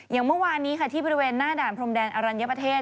อย่างเมื่อวานนี้ค่ะที่บริเวณหน้าด่านพรมแดนอรัญญประเทศ